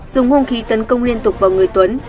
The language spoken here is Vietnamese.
dùng hung khí tấn công liên tục vào người tuấn